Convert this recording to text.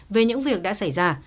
về những việc đã xảy ra